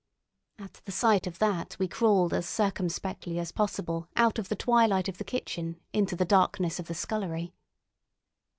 At the sight of that we crawled as circumspectly as possible out of the twilight of the kitchen into the darkness of the scullery.